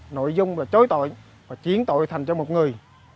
nội dung là chối tội và chiến tội thành cho một người